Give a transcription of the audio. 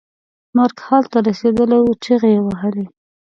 مرګ حال ته رسېدلی و چغې یې وهلې.